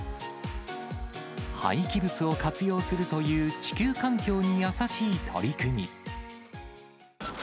廃棄物を活用するという地球環境に優しい取り組み。